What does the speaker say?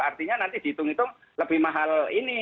artinya nanti dihitung hitung lebih mahal ini